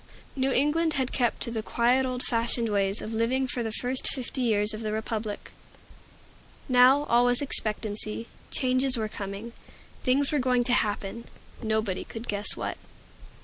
New England had kept to the quiet old fashioned ways of living for the first fifty years of the Republic. Now all was expectancy. Changes were coming. Things were going to happen, nobody could guess what.